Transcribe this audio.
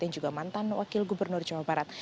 yang juga mantan wakil gubernur jawa barat